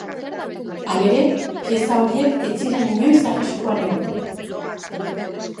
Halere, pieza horiek ez ziren inoiz arriskuan egon.